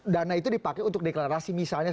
dana itu dipakai untuk deklarasi misalnya